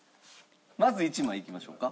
まず１枚いきましょうか。